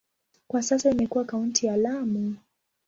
Kwa sasa imekuwa kaunti ya Lamu.